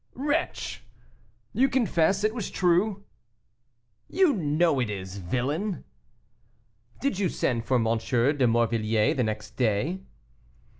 "Wretch!" "You confess, it was true?" "You know it is, villain." "Did you send for M. de Morvilliers the next day?"